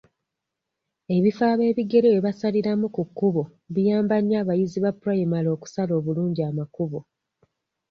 Ebifo ab'ebigere webasaliramu ku kkubo biyamba nnyo abayizi ba pulayimale okusala obulungi amakubo.